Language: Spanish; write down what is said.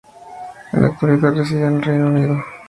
En la actualidad reside en el Reino Unido.